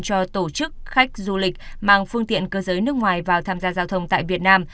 cho tổ chức khách du lịch mang phương tiện cơ giới nước ngoài vào tham gia giao thông tại việt nam